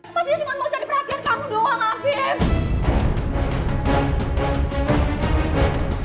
pastinya cuma mau cari perhatian kamu doang afif